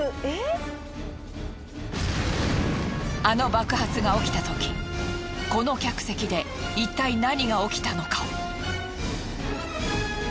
あの爆発が起きたときこの客席でいったい何が起きたのか？